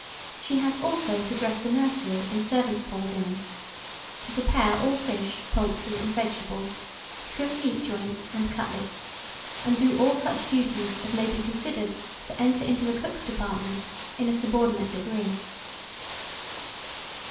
She has also to dress the nursery and servants' hall dinners, to prepare all fish, poultry, and vegetables, trim meat joints and cutlets, and do all such duties as may be considered to enter into the cook's department in a subordinate degree.